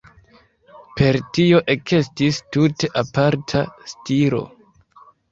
Per tio ekestis tute aparta stilo.